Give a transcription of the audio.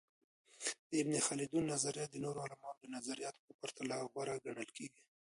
د ابن خلدون نظریات د نورو علماؤ د نظریاتو په پرتله غوره ګڼل کيږي.